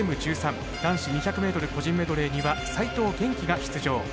男子２００ｍ個人メドレーには齋藤元希が出場。